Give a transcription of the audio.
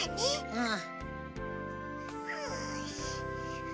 うん。